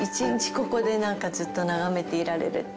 ここでなんかずっと眺めていられる。